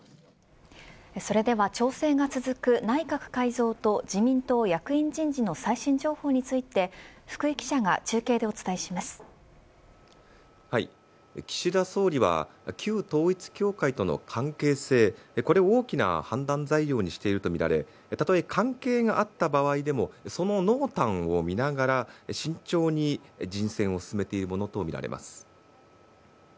それでは調整が続く内閣改造と自民党役員人事の最新情報について岸田総理は旧統一教会との関係性これを大きな判断材料にしているとみられたとえ、関係があった場合でもその濃淡を見ながら慎重に人選を進めているものとみられます。